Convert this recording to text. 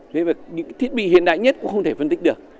với những thiết bị hiện đại nhất cũng không thể phân tích được